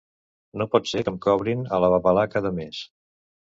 No pot ser que em cobrin a la babalà cada mes!